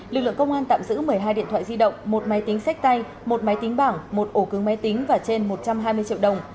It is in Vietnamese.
lực lượng công an tạm giữ một mươi hai điện thoại di động một máy tính sách tay một máy tính bảng một ổ cứng máy tính và trên một trăm hai mươi triệu đồng